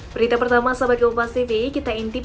berita pertama sobatkompastv kita intip